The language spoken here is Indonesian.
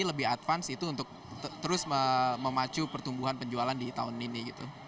lebih advance itu untuk terus memacu pertumbuhan penjualan di tahun ini gitu